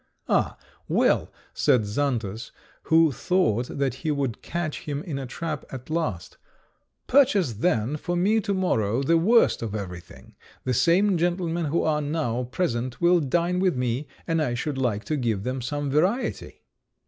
"Ah! well," said Xantus, who thought that he would catch him in a trap at last, "purchase then for me to morrow the worst of everything; the same gentlemen who are now present will dine with me, and I should like to give them some variety."